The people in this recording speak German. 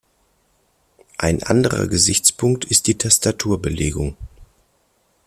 Ein anderer Gesichtspunkt ist die Tastaturbelegung.